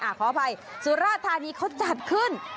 อ่าขออภัยสุราษฎร์ทานี้เขาจัดขึ้น